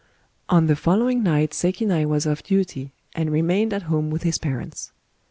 On the following night Sekinai was off duty, and remained at home with his parents.